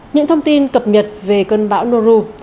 những thông tin cập nhật về cơn bão noru